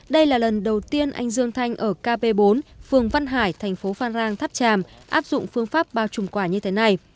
đây là lần đầu tiên anh dương thanh ở kp bốn phường văn hải thành phố phan rang tháp tràm áp dụng phương pháp bao trùm quả như thế này